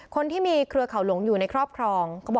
คนที่มีเครือเขาหลวงอยู่ในครอบครอง